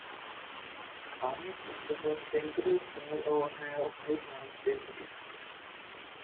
Ionic kosmotropes tend to be small or have high charge density.